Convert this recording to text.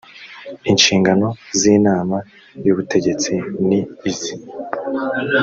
inshingano z inama y ubutegetsi ni izi